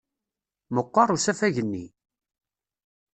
Meɣɣer usafag-nni!